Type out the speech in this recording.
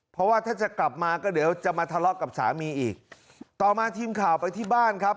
เพราะว่าถ้าจะกลับมาก็เดี๋ยวจะมาทะเลาะกับสามีอีกต่อมาทีมข่าวไปที่บ้านครับ